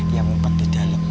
yang mumpet di dalem